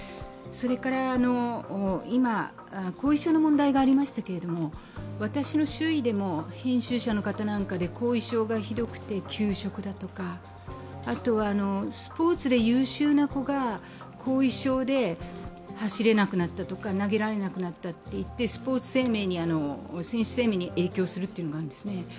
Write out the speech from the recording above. それから今、後遺症の問題がありましたけれども、私の周囲でも、編集者の方なんかで後遺症がひどくて休職だとか、スポーツで優秀な子が後遺症で走れなくなったとか、投げられなくなったといってスポーツ生命、選手生命に影響するというのもあるんですね。